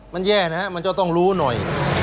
มันแย่นะฮะมันจะต้องรู้หน่อย